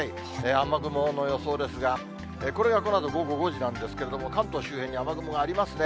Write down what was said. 雨雲の予想ですが、これがこのあと午後５時なんですけれども、関東周辺に雨雲がありますね。